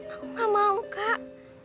aku gak mau kak